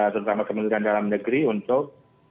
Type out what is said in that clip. terutama kementerian dalam negeri untuk